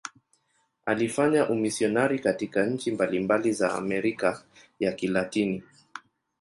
Alifanya umisionari katika nchi mbalimbali za Amerika ya Kilatini.